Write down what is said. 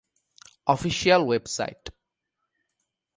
official website